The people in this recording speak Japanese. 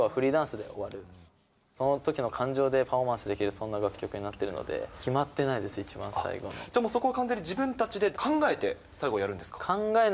そのときの感情でパフォーマンスできる、そんな楽曲になってるのじゃあ、そこは自分たちで考えて最後やるんですか？